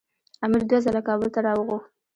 امیر دوه ځله کابل ته راوغوښت.